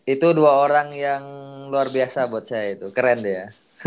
itu dua orang yang luar biasa buat saya itu keren deh ya